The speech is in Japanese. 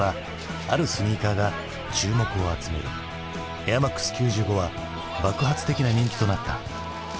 「エアマックス９５」は爆発的な人気となった。